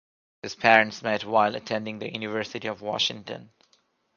His parents met while attending the University of Washington.